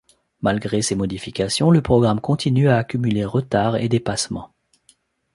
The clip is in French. Malgré ces modifications le programme continue à accumuler retards et dépassements.